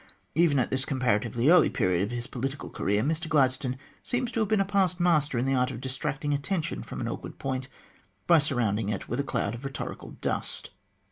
Even at this comparatively early period of his political career, Mr Gladstone seems to have been a past master in the art of distracting attention from an awkward point by surrounding it with a cloud of rhetorical dust.